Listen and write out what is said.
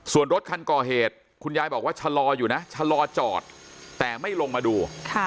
ส่วนรถคันก่อเหตุคุณยายบอกว่าชะลออยู่นะชะลอจอดแต่ไม่ลงมาดู